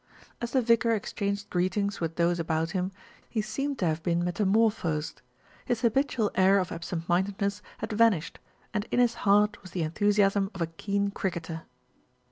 As the vicar exchanged greetings with those about him, he seemed to have been metamorphosed. His habitual air of absent mindedness had vanished, and in his heart was the enthusiasm of a keen cricketer.